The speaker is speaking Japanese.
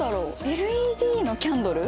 ＬＥＤのキャンドル？